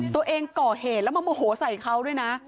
ก่อเหตุแล้วมาโมโหใส่เขาด้วยนะ